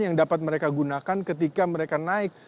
yang dapat mereka gunakan ketika mereka naik